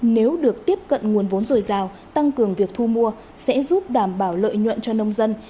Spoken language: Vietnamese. nếu được tiếp cận nguồn vốn dồi dào tăng cường việc thu mua sẽ giúp đảm bảo lợi nhuận cho nông dân